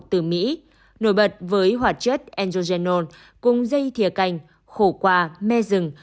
từ mỹ nổi bật với hoạt chất endogenol cùng dây thịa canh khổ qua me rừng